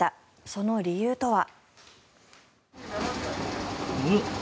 その理由とは。